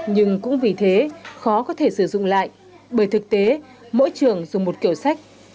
nhưng cũng vì thế khó có thể sử dụng lại bởi thực tế mỗi trường dùng một kiểu sách